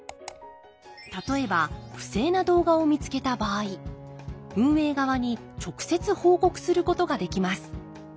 例えば不正な動画を見つけた場合運営側に直接報告することができます。